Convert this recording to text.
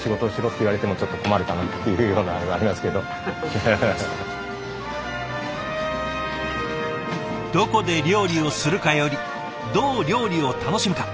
逆に言ったらどこで料理をするかよりどう料理を楽しむか。